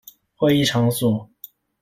會議場所